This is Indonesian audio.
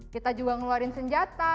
kita juga ngeluarin senjata